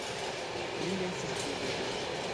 Li ne estis atingebla.